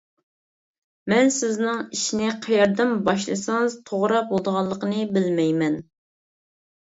مەن سىزنىڭ ئىشنى قەيەردىن باشلىسىڭىز توغرا بولىدىغانلىقىنى بىلمەيمەن.